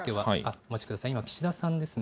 お待ちください、今、岸田さんですね。